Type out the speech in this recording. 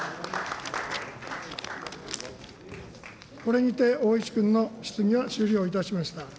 これにて大石君の質疑は終了いたしました。